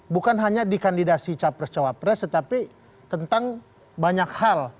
bukan hanya dikandidasi cawapres cawapres tetapi tentang banyak hal